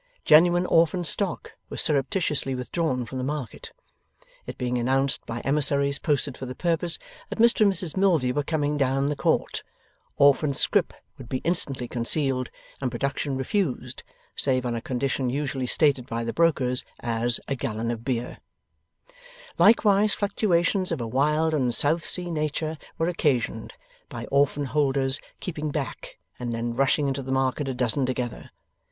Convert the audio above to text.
Genuine orphan stock was surreptitiously withdrawn from the market. It being announced, by emissaries posted for the purpose, that Mr and Mrs Milvey were coming down the court, orphan scrip would be instantly concealed, and production refused, save on a condition usually stated by the brokers as 'a gallon of beer'. Likewise, fluctuations of a wild and South Sea nature were occasioned, by orphan holders keeping back, and then rushing into the market a dozen together.